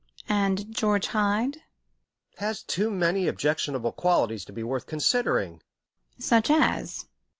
"And George Hyde?" "Has too many objectionable qualities to be worth considering." "Such as?"